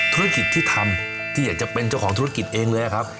ธุรกิจที่ทำที่อยากจะเป็นเจ้าของธุรกิจเองเลยครับ